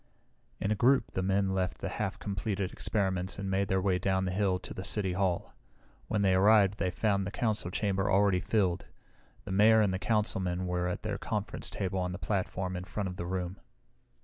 In a group the men left the half completed experiments and made their way down the hill to the City Hall. When they arrived they found the Council chamber already filled. The Mayor and the councilmen were at their conference table on the platform in front of the room.